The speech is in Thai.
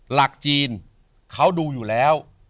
หลักจีนเขาดูอยู่แล้ว